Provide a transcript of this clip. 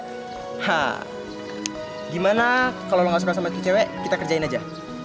nah gimana kalau lo gak suka sama cewek kita kerjain aja